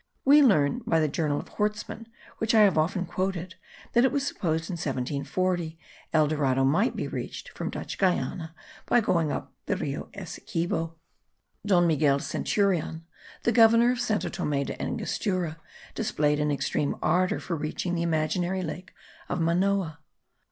We learn by the journal of Hortsmann, which I have often quoted, that it was supposed, in 1740, El Dorado might be reached from Dutch Guiana by going up the Rio Essequibo. Don Manuel Centurion, the governor of Santo Thome del Angostura, displayed an extreme ardour for reaching the imaginary lake of Manoa.